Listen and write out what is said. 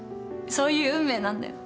そういう運命なんだよ。